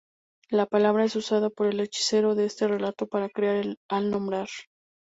La palabra es usada por el hechicero de este relato para crear al nombrar.